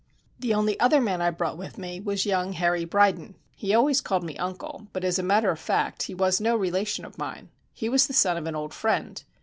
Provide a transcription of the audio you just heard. The only other man I brought with me was young Harry Bryden. He always called me uncle, but as a matter of fact he was no relation of mine. He was the son of an old friend.